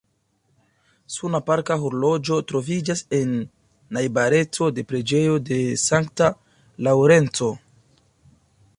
Suna parka horloĝo troviĝas en najbareco de preĝejo de sankta Laŭrenco.